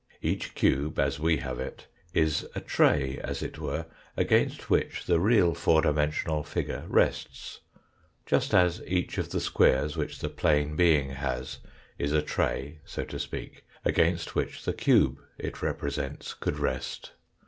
Each cube, as we have it, is a tray, as it were, against which the real four dimensional figure rests just as each of the squares which the plane being has is a tray, so to speak, against which the cube it represents could rest.